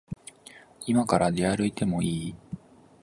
いまから出歩いてもいい？